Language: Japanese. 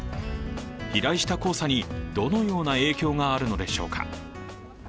飛来した黄砂にどのような影響があるのでしょうか。